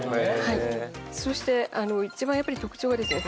そして一番やっぱり特徴がですね